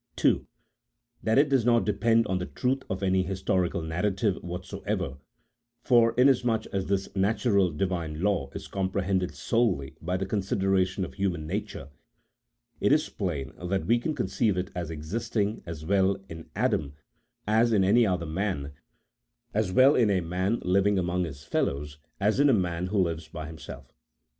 II. That it does not depend on the truth of any historical narrative whatsoever, for inasmuch as this natural Divine law is comprehended solely by the consideration of human nature, it is plain that we can conceive it as existing as well in Adam as in any other man, as well in a man living among his fellows, as in a man who lives by himself.